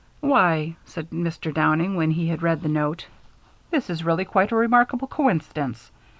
"Why," said Mr. Downing, when he had read the note, "this is really quite a remarkable coincidence.